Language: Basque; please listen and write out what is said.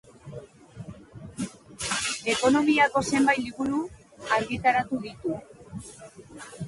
Ekonomiako zenbait liburu argitaratu ditu.